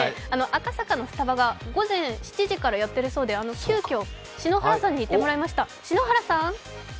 赤坂のスタバが午前７時からやっているそうで急きょ篠原さんに行ってもらいました。